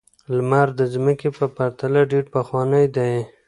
لمر د ځمکې په پرتله ډېر پخوانی دی.